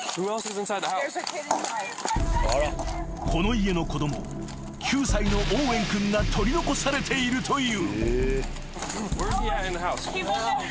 ［この家の子供９歳のオーウェン君が取り残されているという］